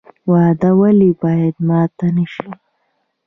وعده ولې باید ماته نشي؟